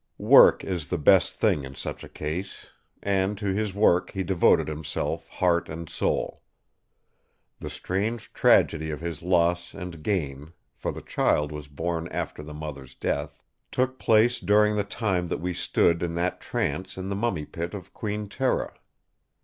"Work is the best thing in such a case; and to his work he devoted himself heart and soul. The strange tragedy of his loss and gain—for the child was born after the mother's death—took place during the time that we stood in that trance in the Mummy Pit of Queen Tera.